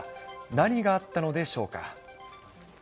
何があったのでしょうか。